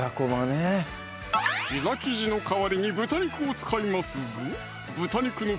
ピザ生地の代わりに豚肉を使いますぞ